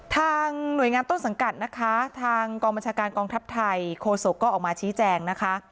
ทางหน่วยงานต้นสังกัดนะคะทางกองบัญชาการกองทัพไทยโคศกก็ออกมาชี้แจงนะคะ